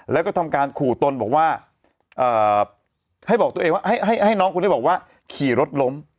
แล้วก็ทำการขู่ตนให้น้องคุณได้บอกว่าขี่รถล้ม